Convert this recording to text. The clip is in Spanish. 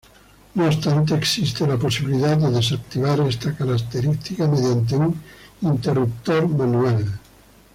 No obstante, existe la posibilidad de desactivar esta característica mediante un interruptor manual.